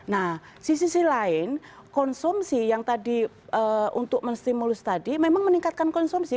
nah sisi sisi lain konsumsi yang tadi untuk menstimulus tadi memang meningkatkan konsumsi